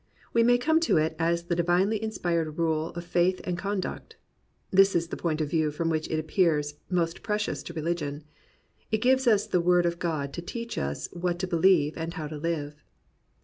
We may come to it as the divinely inspired rule of faith and conduct. This is the point of view from which it appears most precious to religion. It gives us the word of God to teach us what to be lieve and how to live.